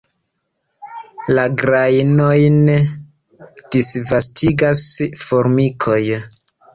La grajnojn disvastigas formikoj.